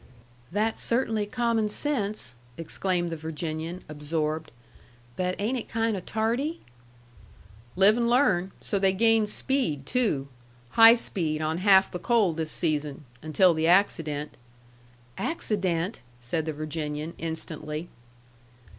"That's cert'nly common sense!" exclaimed the Virginian, absorbed. "But ain't it kind o' tardy?" "Live and learn. So they gained speed, too. High speed on half the coal this season, until the accident." "Accident!" said the Virginian, instantly.